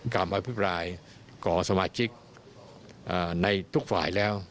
อภิปรายต่อสมาชิกในทุกฝ่ายแล้ว